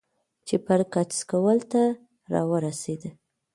چې بر کڅ سکول ته راورسېدۀ ـ